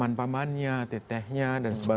paman pamannya tetehnya dan sebagainya